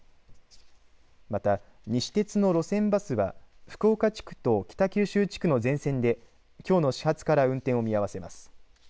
また、西鉄の路線バスは福岡地区と北九州地区の全線できょうの始発から運転を見合わせます。